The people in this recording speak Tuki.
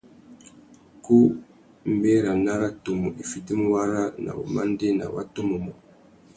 Ku mbérana râ tumu i fitimú wara na wumandēna wa tumu mô.